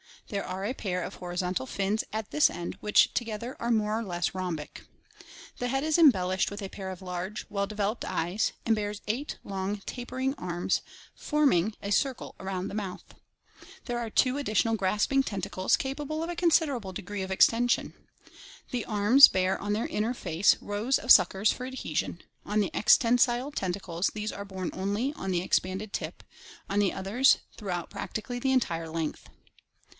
There are a pair of horizontal fins at this end which together are more or less rhombic. The head is embellished with a pair of large, well developed eyes, and bears eight long tapering arms, forming a 421 422 ORGANIC EVOLUTION circle around the mouth. There are tiro additional grasping tentacles capable of a considerable degree of extension. The arms bear on their inner face rows of suckers for adhesion; on the ex tensile tentacles these are borne only on the expanded tip, on the others, throughout practically the entire length.